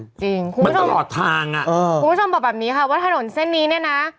จริงคุณผู้ชมมันตลอดทางอ่ะเออคุณผู้ชมบอกแบบนี้ค่ะว่าถนนเส้นนี้เนี่ยนะ